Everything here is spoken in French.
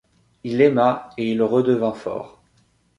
Il aima, et il redevint fort.